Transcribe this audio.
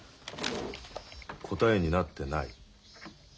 答えになってない。